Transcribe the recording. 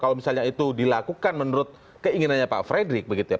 kalau misalnya itu dilakukan menurut keinginannya pak frederick begitu ya